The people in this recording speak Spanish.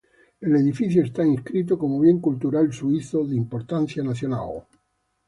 El edificio está inscrito como bien cultural suizo de importancia nacional.